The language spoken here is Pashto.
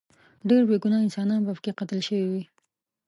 ډیر بې ګناه انسانان به پکې قتل شوي وي.